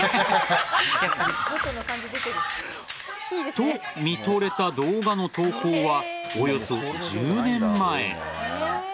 と、見とれた動画の投稿はおよそ１０年前。